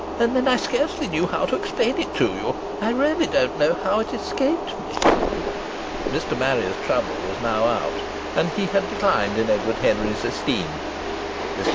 And then I scarcely knew how to explain it to you. I really don't know how it escaped me." Mr. Marrier's trouble was now out, and he had declined in Edward Henry's esteem. Mr.